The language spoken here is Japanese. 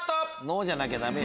ノーじゃなきゃダメ